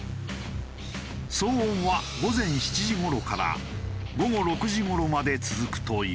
騒音は午前７時頃から午後６時頃まで続くという。